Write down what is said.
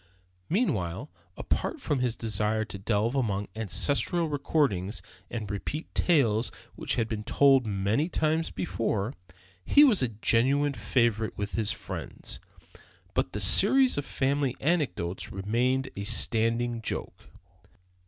Meanwhile, apart from his desire to delve among ancestral records and repeat tales which had been told many times before, he was a genuine favorite with his friends. But that series of family anecdotes remained a standing joke.